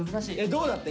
どうだった？